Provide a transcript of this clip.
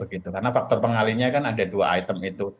karena faktor pengalinya kan ada dua item itu